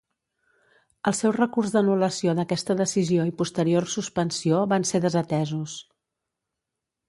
El seu recurs d'anul·lació d'aquesta decisió i posterior suspensió van ser desatesos.